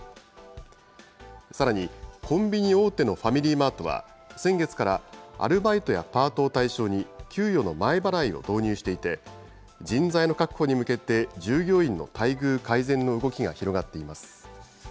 さらに、コンビニ大手のファミリーマートは先月から、アルバイトやパートを対象に、給与の前払いを導入していて、人材の確保に向けて、従業員の待遇改善の動きが広がっています。